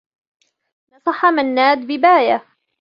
نصح منّاد بباية.